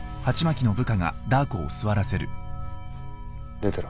・出てろ。